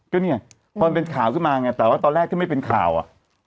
ก็เนี่ยพอมันเป็นข่าวขึ้นมาไงแต่ว่าตอนแรกที่ไม่เป็นข่าวอ่ะ